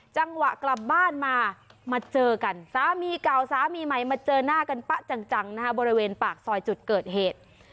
กลับบ้านมามาเจอกันสามีเก่าสามีใหม่มาเจอหน้ากันป๊ะจังนะฮะบริเวณปากซอยจุดเกิดเหตุ